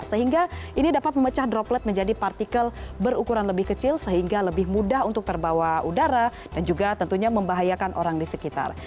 sehingga ini dapat memecah droplet menjadi partikel berukuran lebih kecil sehingga lebih mudah untuk terbawa udara dan juga tentunya membahayakan orang di sekitar